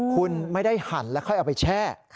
คุณไม่ได้หั่นแล้วค่อยเอาไปแช่